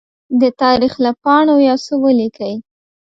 د تاریخ له پاڼو يوڅه ولیکئ!